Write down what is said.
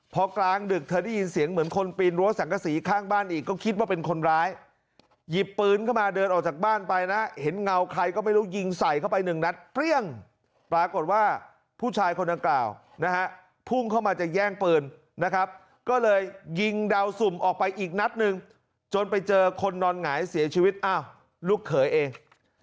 พอกลางดึกเธอได้ยินเสียงเหมือนคนปีนรั้วสังกษีข้างบ้านอีกก็คิดว่าเป็นคนร้ายหยิบปืนเข้ามาเดินออกจากบ้านไปนะเห็นเงาใครก็ไม่รู้ยิงใส่เข้าไปหนึ่งนัดเปรี้ยงปรากฏว่าผู้ชายคนดังกล่าวนะฮะพุ่งเข้ามาจะแย่งปืนนะครับก็เลยยิงดาวสุ่มออกไปอีกนัดหนึ่งจนไปเจอคนนอนหงายเสียชีวิตอ้าวลูกเขยเอง